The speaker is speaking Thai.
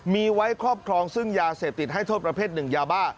มีไว้ครอบครองซึ่งยาเสพติดให้โทษประเภทหนึ่งยาบ้า